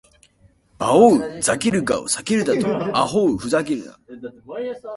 バオウ・ザケルガを避けるだと！アホウ・フザケルナ！